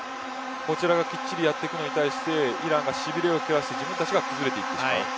こちらがきっちりやっていくのに対してイランがしびれを切らして自分たちが崩れていってしまう。